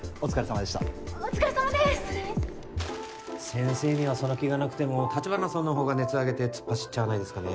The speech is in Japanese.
先生にはその気がなくても橘さんの方が熱上げて突っ走っちゃわないですかね？